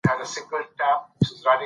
هوا د افغانستان د موسم د بدلون سبب کېږي.